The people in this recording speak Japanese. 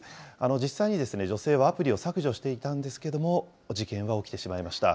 実際に女性はアプリを削除していたんですけれども、事件は起きてしまいました。